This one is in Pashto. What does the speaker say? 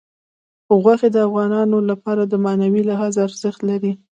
غوښې د افغانانو لپاره په معنوي لحاظ ارزښت لري.